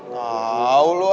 tau lu ah